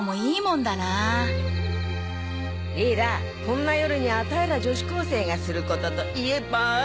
こんな夜にアタイら女子高生がすることといえば？